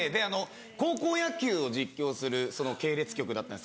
高校野球を実況する系列局だったんです。